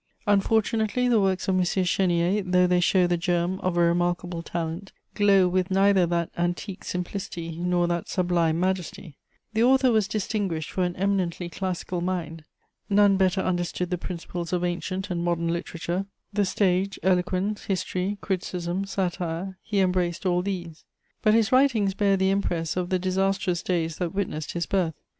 "Unfortunately, the works of M. Chénier, though they show the germ of a remarkable talent, glow with neither that antique simplicity nor that sublime majesty. The author was distinguished for an eminently classical mind. None better understood the principles of ancient and modern literature; the stage, eloquence, history, criticism, satire: he embraced all these; but his writings bear the impress of the disastrous days that witnessed his birth.